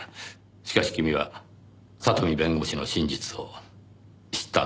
しかし君は里見弁護士の真実を知ったんですね？